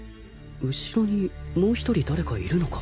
後ろにもう一人誰かいるのか。